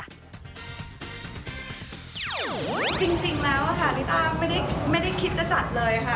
จริงแล้วค่ะลิต้าไม่ได้คิดจะจัดเลยค่ะ